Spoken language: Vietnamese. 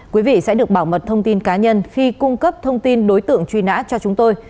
quý vị sẽ được bảo mật thông tin cá nhân khi cung cấp thông tin đối tượng truy nã cho chúng tôi